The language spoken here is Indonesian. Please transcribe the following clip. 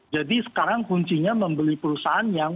jadi sekarang kuncinya membeli perusahaan yang